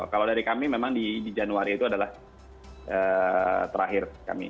kalau dari kami memang di januari itu adalah terakhir kami